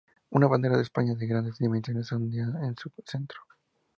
Una bandera de España de grandes dimensiones ondea en su centro.